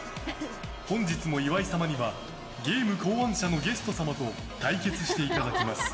本日も岩井様にはゲーム考案者のゲスト様と対決していただきます。